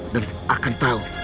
dan akan tahu